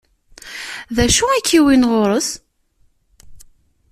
D acu i k-iwwin ɣur-s?